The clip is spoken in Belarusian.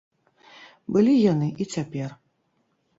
Былі яны і цяпер.